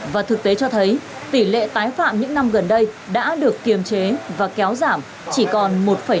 và thực tế cho thấy tỷ lệ tái phạm những năm gần đây đã được kiềm chế và kéo giảm chỉ còn một năm